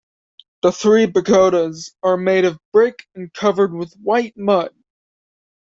The Three Pagodas are made of brick and covered with white mud.